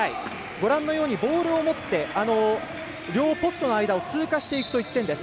ご覧のようにボールを持って両ポストの間を通過していくと１点です。